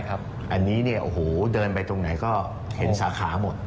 อันนี้เดินไปตรงไหนก็เห็นสาขาหมด